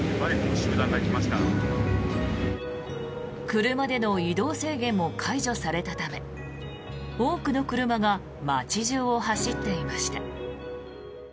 車での移動制限も解除されたため多くの車が街中を走っていました。